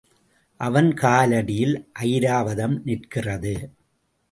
அவன் காலடியில் ஐராவதம் நிற்கிறது.